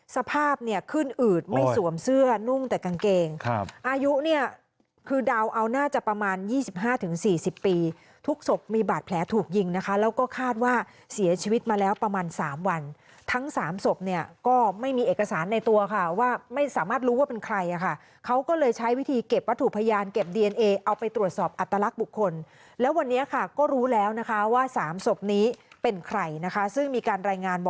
สภาพเนี่ยขึ้นอืดไม่สวมเสื้อนุ่งแต่กางเกงอายุเนี่ยคือดาวเอาน่าจะประมาณ๒๕๔๐ปีทุกศพมีบาดแผลถูกยิงนะคะแล้วก็คาดว่าเสียชีวิตมาแล้วประมาณ๓วันทั้ง๓ศพเนี่ยก็ไม่มีเอกสารในตัวค่ะว่าไม่สามารถรู้ว่าเป็นใครค่ะเขาก็เลยใช้วิธีเก็บวัตถุพยานเก็บดีเอนเอเอาไปตรวจสอบอัตลักษณ์บ